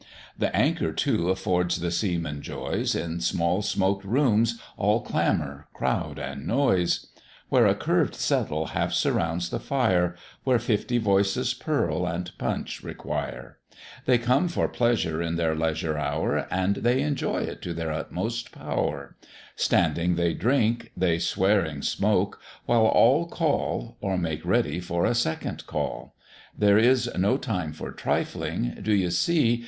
The Anchor too affords the seaman joys, In small smoked room, all clamour, crowd, and noise; Where a curved settle half surrounds the fire, Where fifty voices purl and punch require; They come for pleasure in their leisure hour, And they enjoy it to their utmost power; Standing they drink, they swearing smoke, while all Call, or make ready for a second call: There is no time for trifling "Do ye see?